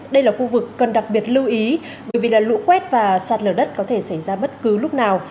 đây là khu vực cần đặc biệt lưu ý bởi vì lũ quét và sạt lở đất có thể xảy ra bất cứ lúc nào